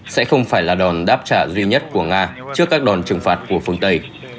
sẽ không phải là đòn đáp trả duy nhất của nga trước các đòn trừng phạt của phương tây